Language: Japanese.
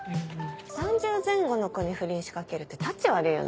３０前後の子に不倫仕掛けるってたち悪いよね。